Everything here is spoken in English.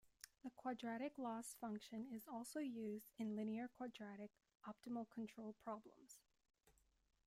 The quadratic loss function is also used in linear-quadratic optimal control problems.